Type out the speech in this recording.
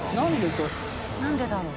何でだろう？